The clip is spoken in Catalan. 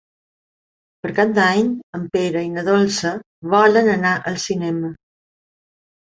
Per Cap d'Any en Pere i na Dolça volen anar al cinema.